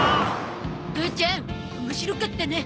父ちゃん面白かったね。